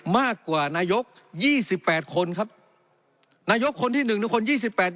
มากกว่านายกยี่สิบแปดคนครับนายกคนที่หนึ่งทุกคนยี่สิบแปด